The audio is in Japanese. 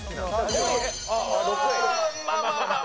まあまあまあ！